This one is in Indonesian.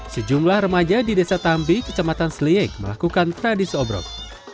sejumlah remaja di desa tambi kecamatan seliek melakukan tradisi obrok